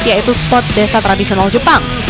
yaitu spot desa tradisional jepang